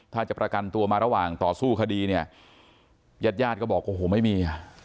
ถ้าจะประกันตัวมาระหว่างต่อสู้คดีเนี่ยญาติญาติก็บอกโอ้โหไม่มีอ่ะ